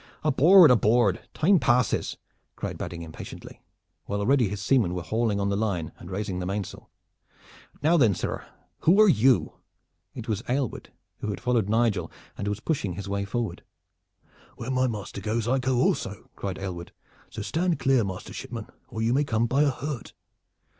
"Aboard, aboard! Time passes!" cried Badding impatiently, while already his seamen were hauling on the line and raising the mainsail. "Now then, sirrah! who are you?" It was Aylward, who had followed Nigel and was pushing his way aboard. "Where my master goes I go also," cried Aylward, "so stand clear, master shipman, or you may come by a hurt."